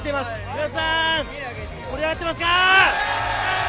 皆さん、盛り上がってますか。